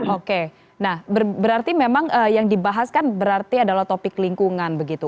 oke nah berarti memang yang dibahas kan berarti adalah topik lingkungan begitu